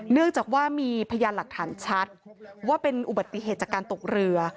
เนื่องจากว่ามีพยานหลักฐานชัดว่าเป็นอุบัติเหตุจากการตกเรือ